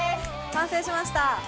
完成しました。